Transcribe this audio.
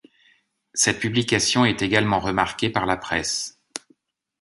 Cette publication est également remarquée par la presse.